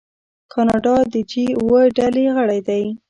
کاناډا د جي اوه ډلې غړی دی.